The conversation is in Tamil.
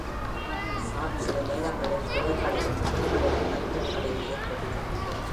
சாப் சில நேரங்களில் விரல்களிலும் துணிகளிலும் மஞ்சள் கறையை ஏற்படுத்தும்.